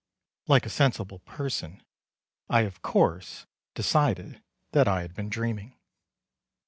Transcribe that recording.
Like a sensible person, I of course decided that I had been dreaming.